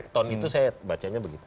tone itu saya bacanya begitu